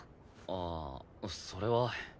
あーそれは。